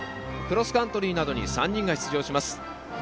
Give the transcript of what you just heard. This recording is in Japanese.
クロスカントリーなどに３人が出場します。